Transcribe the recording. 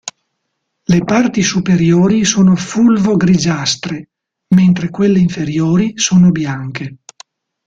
Le parti superiori sono fulvo-grigiastre, mentre quelle inferiori sono bianche.